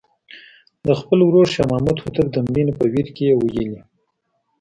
د خپل ورور شاه محمود هوتک د مړینې په ویر کې یې ویلي.